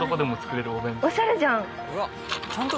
おしゃれじゃん！